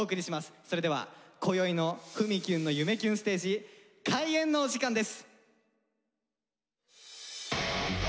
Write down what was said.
それではこよいの「ふみキュンの夢キュンステージ」開演のお時間です。